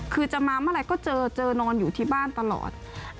คือจะมาเมื่อไหร่ก็เจอเจอนอนอยู่ที่บ้านตลอด